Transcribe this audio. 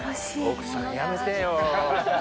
奥さんやめてよ。